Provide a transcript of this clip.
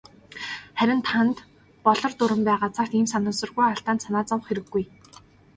Харин танд "Болор дуран" байгаа цагт ийм санамсаргүй алдаанд санаа зовох хэрэггүй.